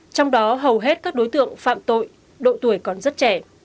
trong đó hầu hết các đối tượng phạm tội độ tuổi còn rất trẻ